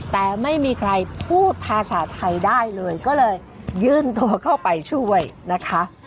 แต่ไม่มีใครพูดภาษาไทยได้เลยก็เลยยื่นตัวเข้าไปช่วยนะคะ